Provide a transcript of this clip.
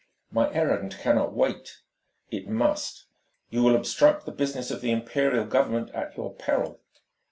"My errand cannot wait." "It must." "You will obstruct the business of the Imperial Government at your peril."